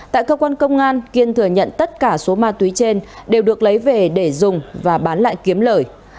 tại cơ quan công an kiên thừa nhận tất cả số ma túy trên đều được lấy về để dùng và bán lại kiếm lời